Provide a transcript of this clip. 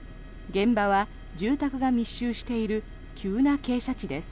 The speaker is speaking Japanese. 現場は住宅が密集している急な傾斜地です。